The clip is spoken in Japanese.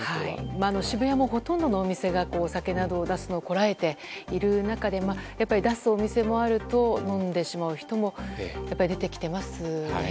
渋谷も、ほとんどのお店がお酒などを出すのをこらえている中で出すお店もあると飲んでしまう人も出てきてますね。